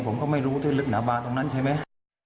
ผมก็ไม่รู้ที่ลึกหนาบาตรงนั้นใช่ไหม